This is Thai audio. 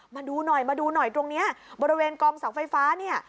มาดูหน่อยมาดูหน่อยตรงเนี้ยบริเวณกองเสาไฟฟ้าเนี่ย